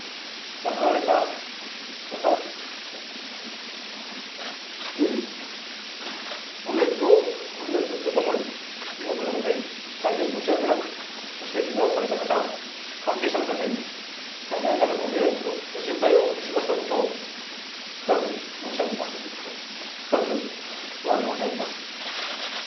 亡くなられた方にご冥福をお祈りするとともに、遺族の方に大変申し訳なく、そしてけがをされた方、関係者の方に、大変なるご迷惑とご心配をおかけしましたことを深く申し上げます、深くおわび申し上げます。